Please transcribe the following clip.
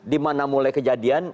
dimana mulai kejadian